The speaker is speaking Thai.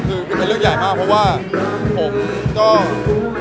แต่ว่าถ้าเกิดว่าเข้าใจผิดจริงหรอ